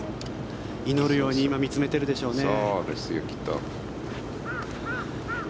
祈るように今、見つめているでしょうね。